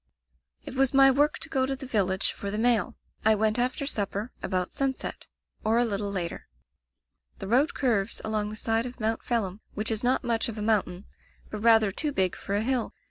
"It was my work to go to the village for the mail. I went after supper, about sunset, or a little later. "The road curves along the side of Mount Phelim, which is not much of a mountain, but rather too big for a hill.